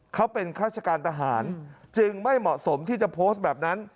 เขาเป็นข้าราชการทหารจึงไม่เหมาะสมที่จะโพสต์แบบนั้น